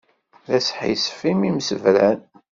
D asḥissef imi msebran.